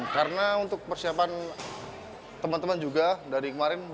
karena untuk persiapan teman teman juga dari kemarin